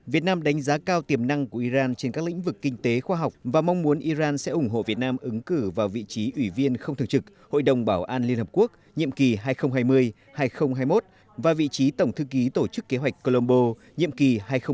việt nam đánh giá cao tiềm năng của iran trên các lĩnh vực kinh tế khoa học và mong muốn iran sẽ ủng hộ việt nam ứng cử vào vị trí ủy viên không thường trực hội đồng bảo an liên hợp quốc nhiệm kỳ hai nghìn hai mươi hai nghìn hai mươi một và vị trí tổng thư ký tổ chức kế hoạch colombo nhiệm kỳ hai nghìn hai mươi hai nghìn hai mươi một